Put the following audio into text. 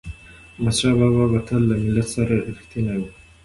احمدشاه بابا به تل له ملت سره رښتینی و.